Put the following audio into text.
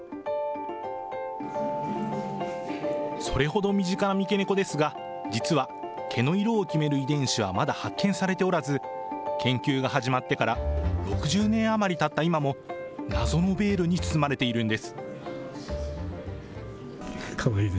それほど身近な三毛猫ですが、実は、毛の色を決める遺伝子はまだ発見されておらず、研究が始まってから６０年余りたった今も、謎のベールに包まれているんです。